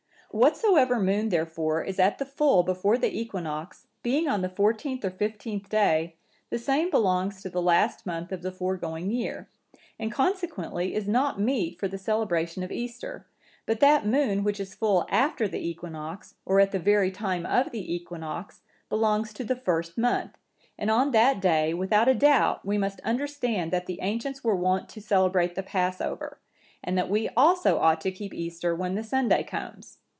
Whatsoever moon therefore is at the full before the equinox, being on the fourteenth or fifteenth day, the same belongs to the last month of the foregoing year, and consequently is not meet for the celebration of Easter; but that moon which is full after the equinox, or at the very time of the equinox, belongs to the first month, and on that day, without a doubt, we must understand that the ancients were wont to celebrate the Passover; and that we also ought to keep Easter when the Sunday comes.